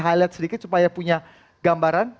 highlight sedikit supaya punya gambaran